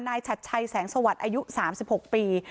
นายชัดชัยแสงสวัสดิ์อายุสามสิบหกปี